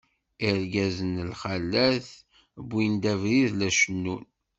Irgazen lxalat, wwin-d abrid la cennun.